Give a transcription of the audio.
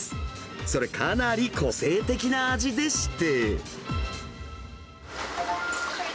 それ、かなり個性的な味でして。